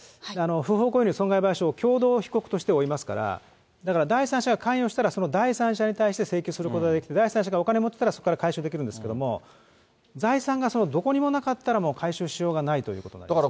不法行為の損害賠償を共同被告として追いますから、だから第三者が関与したら、その第三者に対して請求することができて、第三者がお金持ってたら、そこから請求できるんですけれども、財産がそのどこにもなかったら、もう回収しようがないということなんですね。